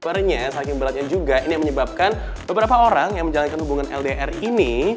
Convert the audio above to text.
sebenarnya saking beratnya juga ini yang menyebabkan beberapa orang yang menjalankan hubungan ldr ini